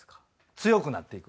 強くなっていく。